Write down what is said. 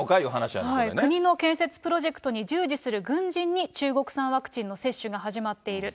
国の建設プロジェクトに従事する軍人に、中国産ワクチンの接種が始まっている。